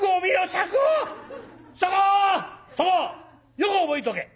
よく覚えとけ！な？